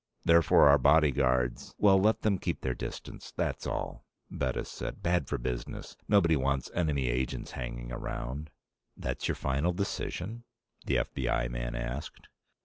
Therefore, our bodyguards " "Well, let them keep their distance, that's all," Bettis said. "Bad for business. Nobody wants enemy agents hanging around." "That's your final decision?" the F.B.I. man asked.